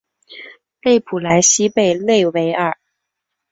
勒普莱西贝勒维尔。